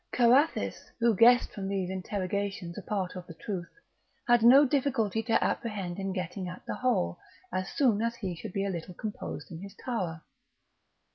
Carathis, who guessed from these interrogations a part of the truth, had no difficulty to apprehend in getting at the whole, as soon as he should be a little composed in his tower.